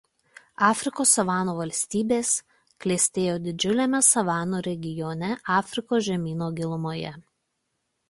Afrikos savanų valstybės klestėjo didžiuliame savanų regione Afrikos žemyno gilumoje.